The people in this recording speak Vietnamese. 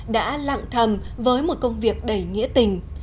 đã lặng thầm với một công việc đầy nghĩa tình